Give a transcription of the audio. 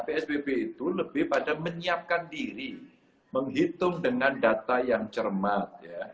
psbb itu lebih pada menyiapkan diri menghitung dengan data yang cermat